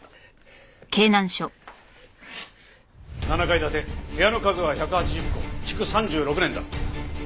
７階建て部屋の数は１８０戸築３６年だ。